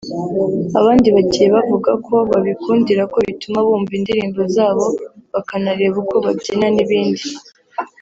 Abandi bagiye bavuga ko babikundira ko bituma bumva indirimbo zabo bakanareba uko babyina n’ibindi